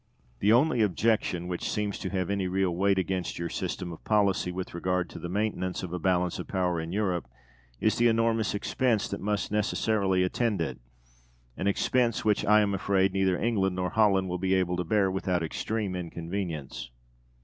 De Witt. The only objection which seems to have any real weight against your system of policy, with regard to the maintenance of a balance of power in Europe, is the enormous expense that must necessarily attend it; an expense which I am afraid neither England nor Holland will be able to bear without extreme inconvenience.